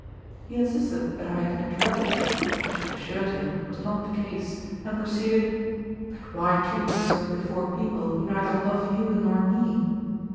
He insisted that I had interrupted him, which I assured him was not the case; and proceeded 'But why treat me so before people who neither love you nor me?'